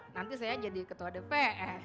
nanti saya jadi ketua dpr